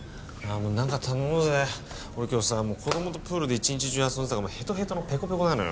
もう何か頼もうぜ俺今日さ子供とプールで一日中遊んでたからヘトヘトのペコペコなのよ